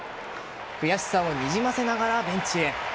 悔しさをにじませながらベンチへ。